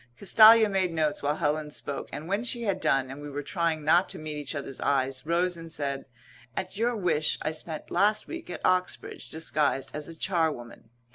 Castalia made notes while Helen spoke, and when she had done, and we were trying not to meet each other's eyes, rose and said, "At your wish I spent last week at Oxbridge, disguised as a charwoman.